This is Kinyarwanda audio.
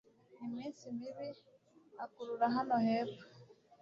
iminsi mibi akurura hano hepfo